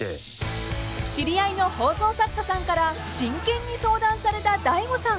［知り合いの放送作家さんから真剣に相談された大悟さん］